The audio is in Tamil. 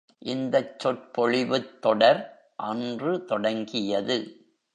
இந்தச் சொற்பொழிவுத் தொடர் அன்று தொடங்கியது.